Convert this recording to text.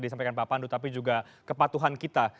disampaikan pak pandu tapi juga kepatuhan kita